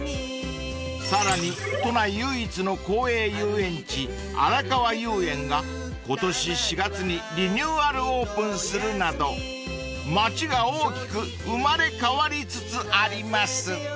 ［さらに都内唯一の公営遊園地あらかわ遊園が今年４月にリニューアルオープンするなど町が大きく生まれ変わりつつあります］